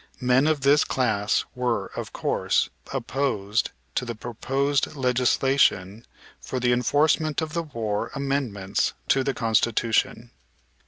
Men of this class were, of course, opposed to the proposed legislation for the enforcement of the war amendments to the Constitution.